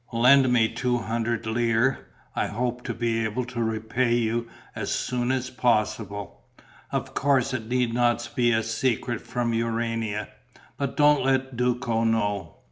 "Lend me two hundred lire. I hope to be able to repay you as soon as possible. Of course it need not be a secret from Urania; but don't let Duco know.